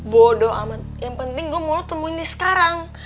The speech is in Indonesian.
bodoh amat yang penting gua mau lo temuin nih sekarang